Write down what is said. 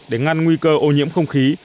để ngăn nguy cơ ô nhiễm không khí